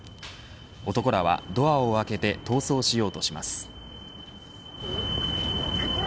男らは、ドアを開けて逃走しようとします。